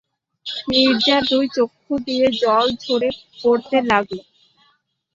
নীরজার দুই চক্ষু দিয়ে জল ঝরে পড়তে লাগল।